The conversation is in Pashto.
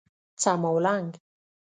څماولنګ